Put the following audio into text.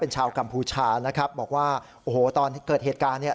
ชาวกัมพูชานะครับบอกว่าโอ้โหตอนเกิดเหตุการณ์เนี่ย